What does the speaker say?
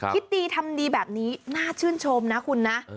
คิดดีทำดีแบบนี้น่าชื่นชมนะคุณนะ